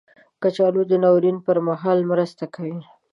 کچالو د ناورین پر مهال مرسته کوي